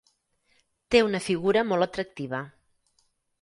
Té una figura molt atractiva.